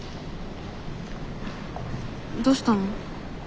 どうしたの？